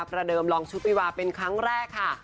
ประเดิมลองชุดวิวาเป็นครั้งแรกค่ะ